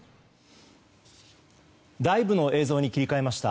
ライブの映像に切り替えました。